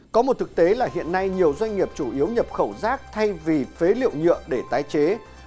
có một thực tế là hiện nay nhiều doanh nghiệp chủ yếu nhập khẩu rác thay vì phế liệu nhựa để tái chế